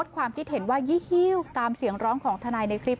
ความคิดเห็นว่ายี่หิ้วตามเสียงร้องของทนายในคลิป